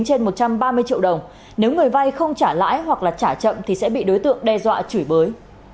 trên một trăm ba mươi triệu đồng nếu người vay không trả lãi hoặc trả chậm thì sẽ bị đối tượng đe dọa chửi bới